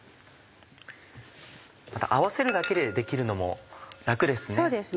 合わせるだけでできるのも楽ですね。